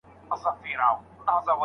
ولې د نسلونو ترمنځ واټن پیدا کیږي؟